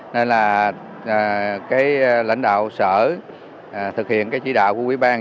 nên là cái lãnh đạo sở thực hiện cái chỉ đạo của quý bang